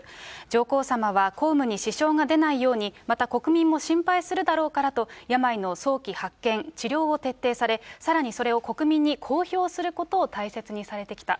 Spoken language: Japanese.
上皇さまは公務に支障が出ないように、また、国民も心配するだろうからと、病の早期発見、治療を徹底され、さらにそれを国民に公表することを大切にされてきた。